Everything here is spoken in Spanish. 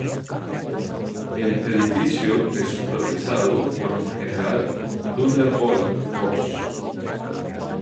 El edificio es supervisado por el General "Thunderbolt" Ross.